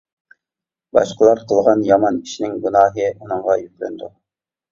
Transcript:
باشقىلار قىلغان يامان ئىشنىڭ گۇناھى ئۇنىڭغا يۈكلىنىدۇ.